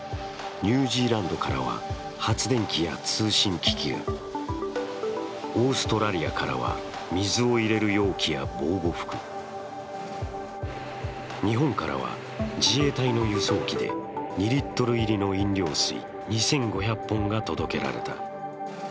ニュージーランドからは発電機や通信機器が、オーストラリアからは、水を入れる容器や防護服、日本からは自衛隊の輸送機で２リットル入りの飲料水２５００本が届けられた。